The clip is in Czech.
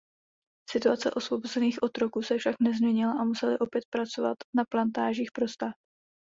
Situace osvobozených otroků se však nezměnila a museli opět pracovat na plantážích pro stát.